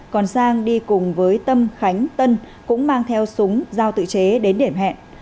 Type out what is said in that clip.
còn sang đi cùng với tâm khánh tân cũng mang theo súng giao tự chế đến điểm hẹn